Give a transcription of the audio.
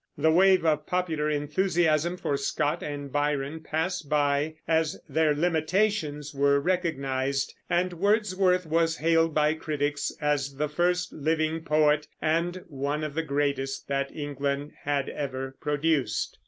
The wave of popular enthusiasm for Scott and Byron passed by, as their limitations were recognized; and Wordsworth was hailed by critics as the first living poet, and one of the greatest that England had ever produced.